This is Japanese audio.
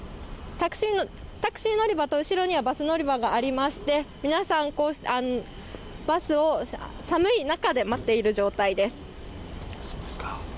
タクシー乗り場と、後ろにはバス乗り場がありまして、皆さん、バスを寒い中で待っている状態です。